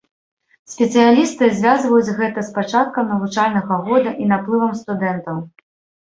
Спецыялісты звязваюць гэта з пачаткам навучальнага года і наплывам студэнтаў.